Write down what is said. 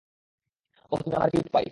ওহ তুমি আমার কিউট পাই।